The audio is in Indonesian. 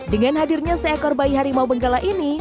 dengan hadirnya seekor bayi harimau benggala ini